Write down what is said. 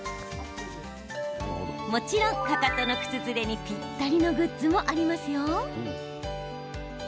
もちろん、かかとの靴ずれにぴったりのグッズもありますよ。